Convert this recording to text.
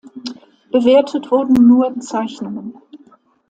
Bewertet wurden nur Zeichnungen.